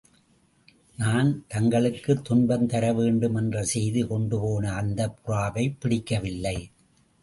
நான் தங்களுக்குத் துன்பந் தர வேண்டுமென்று செய்தி கொண்டுபோன அந்தப் புறாவைப் பிடிக்கவில்லை.